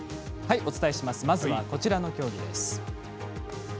まずはこちらの競技です。